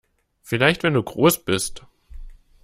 Vielleicht wenn du groß bist!